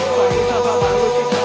esok hari kita kembali bekerja